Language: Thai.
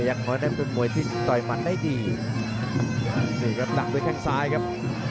ดักด้วยแท่งซ้ายครับ